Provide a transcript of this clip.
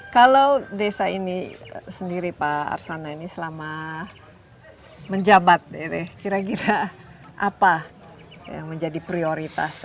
kalau desa ini sendiri pak arsana ini selama menjabat kira kira apa yang menjadi prioritas